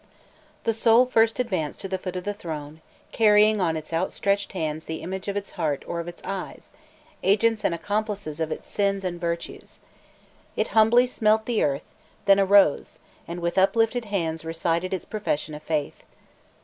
The soul first advanced to the foot of the throne, carrying on its outstretched hands the image of its heart or of its eyes, agents and accomplices of its sins and virtues. It humbly "smelt the earth," then arose, and with uplifted hands recited its profession of faith.